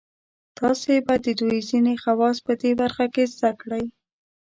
تاسې به د دوی ځینې خواص په دې برخه کې زده کړئ.